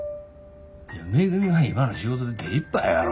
いやめぐみは今の仕事で手いっぱいやろ。